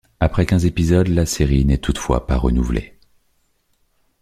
Après quinze épisodes, la série n'est toutefois pas renouvelée.